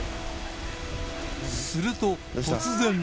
すると突然